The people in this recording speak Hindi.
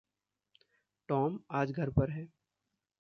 टॉम आज घर पर है।